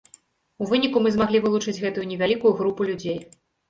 У выніку мы змаглі вылучыць гэтую невялікую групу людзей.